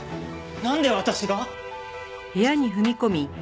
なんで私が！？